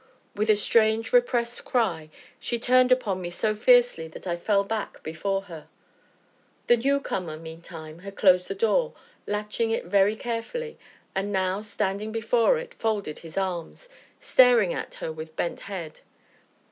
With a strange, repressed cry, she turned upon me so fiercely that I fell back before her. The newcomer, meantime, had closed the door, latching it very carefully, and now, standing before it, folded his arms, staring at her with bent head.